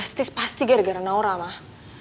pasti gara gara naura mah